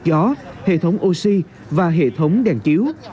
gió hệ thống oxy và hệ thống đèn chiếu